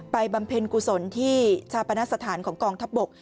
บำเพ็ญกุศลที่ชาปนสถานของกองทัพบก